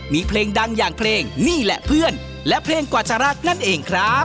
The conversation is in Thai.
มีเพลงดังอย่างเพลงนี่แหละเพื่อนและเพลงกว่าจะรักนั่นเองครับ